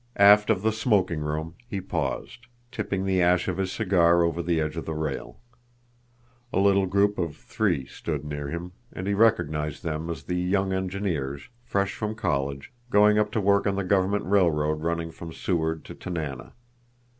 Aft of the smoking room he paused, tipping the ash of his cigar over the edge of the rail. A little group of three stood near him, and he recognized them as the young engineers, fresh from college, going up to work on the government railroad running from Seward to Tanana.